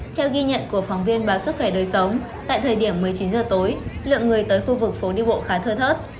theo ghi nhận của phóng viên báo sức khỏe đời sống tại thời điểm một mươi chín h tối lượng người tới khu vực phố đi bộ khá thơ thấp